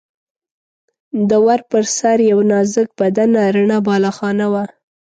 د ور پر سر یوه نازک بدنه رڼه بالاخانه وه.